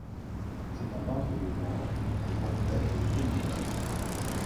C'est un peintre de genre, de portraits et de paysages.